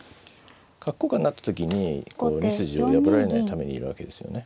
角交換になった時に２筋を破られないためにいるわけですよね。